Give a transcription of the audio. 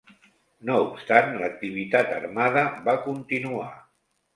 No obstant l'activitat armada va continuar.